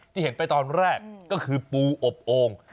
เห็นไปตอนแรกก็คือปูอบโอ่ง